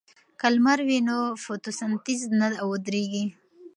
که لمر وي نو فوتوسنتیز نه ودریږي.